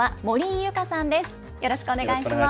よろしくお願いします。